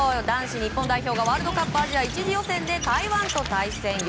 男子日本代表がワールドカップアジア１次予選で台湾と対戦。